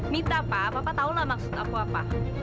mita papa tau lah maksud apa apa